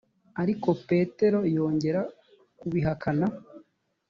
ariko petero yongera kubihakana